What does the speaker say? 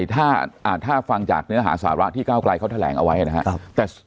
ถ้าฟังจากเนื้อหาสาระที่ก้าวไกลเขาแถลงเอาไว้นะครับ